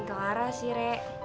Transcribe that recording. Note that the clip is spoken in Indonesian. gak ada apa apa sih rek